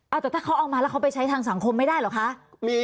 เอาแต่ถ้าเขาเอามาแล้วเขาไปใช้ทางสังคมไม่ได้เหรอคะ